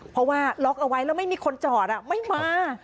เพราะว่าล็อกเอาไว้แล้วไม่มีคนจอดไม่มา